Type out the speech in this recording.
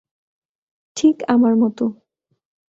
ঠিক আমার মতো।